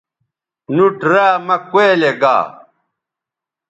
نُوٹ را مہ کولئ یے گا